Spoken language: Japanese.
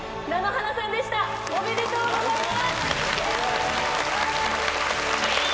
おめでとうございます。